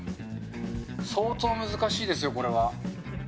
相当難しいですよ、これは。